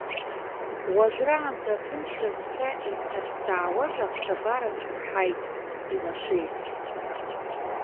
Уажәраанӡа аҭынчра зцәа иҭнарԥсаауаз аԥсабара цәырҳаит, илашеит.